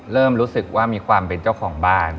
เริ่มรู้สึกว่ามีความเป็นเจ้าของบ้าน